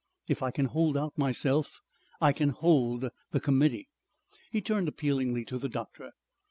If I can hold out myself, I can hold the Committee." He turned appealingly to the doctor.